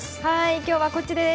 今日はこっちです！